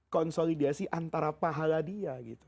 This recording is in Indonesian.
konsolidasi antara pahala dia